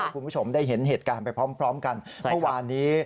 คุณผู้ชมได้เห็นเหตุการณ์ไปพร้อมกันเมื่อวานนี้